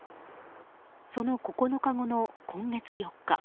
その９日後の今月４日。